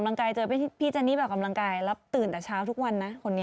แฟนนางเป็นเทรนเนอร์อยู่ไหมเจอทุกวันนี้